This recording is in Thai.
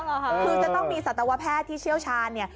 คือจะต้องมีสัตวแพทย์ที่เชี่ยวชาญเนี่ย